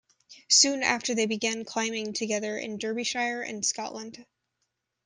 Soon after they began climbing together in Derbyshire and Scotland.